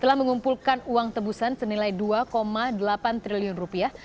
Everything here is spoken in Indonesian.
telah mengumpulkan uang tebusan senilai dua delapan triliun rupiah